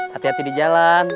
hati hati di jalan